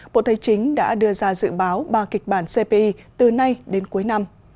bộ thế chính đã đưa ra dự báo ba kịch bản cpi từ nay đến cuối năm